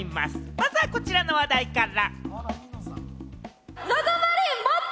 まずはこちらの話題から。